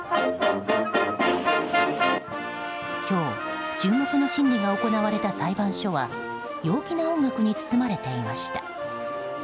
今日、注目の審理が行われた裁判所は陽気な音楽に包まれていました。